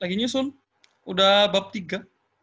lagi nyusun udah bab tiga